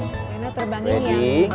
rena terbangin ya